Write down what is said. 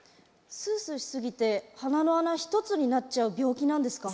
スースーしすぎて鼻の穴１つになっちゃう病気なんですか？